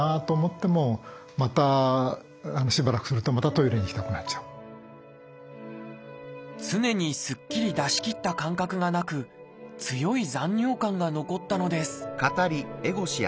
トイレに行っても常にすっきり出しきった感覚がなく強い残尿感が残ったのです。